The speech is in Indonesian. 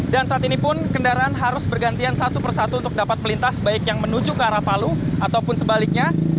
dan saat ini pun kendaraan harus bergantian satu persatu untuk dapat melintas baik yang menuju ke arah palu ataupun sebaliknya